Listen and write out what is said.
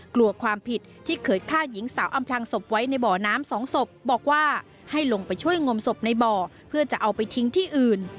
กลัวความผิดที่เคยฆ่าหญิงสาวอำพลังศพไว้ในบ่อน้ำสองศพบอกว่าให้ลงไปช่วยงมศพในบ่อเพื่อจะเอาไปทิ้งที่อื่น